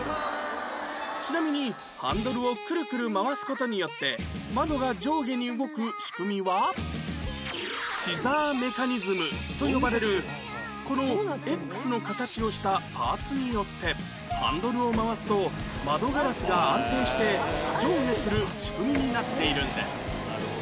ちなみにハンドルをくるくる回す事によって窓が上下に動く仕組みはシザーメカニズムと呼ばれるこの Ｘ の形をしたパーツによってハンドルを回すと窓ガラスが安定して上下する仕組みになっているんです